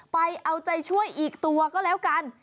ไปเอาใจช่วยอีกตัวก็แล้วกัน